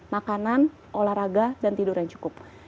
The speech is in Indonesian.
makanan olahraga dan tidur yang cukup